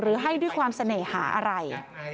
ให้ด้วยความเสน่หาอะไร